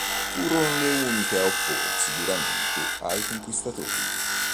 Furono le uniche a opporsi duramente ai conquistatori.